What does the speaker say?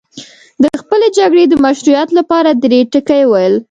د خپلې جګړې د مشروعیت لپاره یې درې ټکي وویل.